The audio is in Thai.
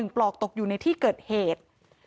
ปลอกตกอยู่ในที่เกิดเหตุ